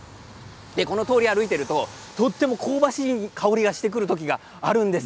通りを歩いているととても香ばしい香りがしてくることがあるんです。